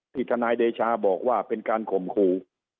ทนายเดชาบอกว่าเป็นการข่มขู่